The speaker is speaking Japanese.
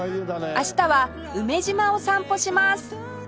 明日は梅島を散歩します